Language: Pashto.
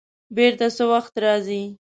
بېرته څه وخت راځې؟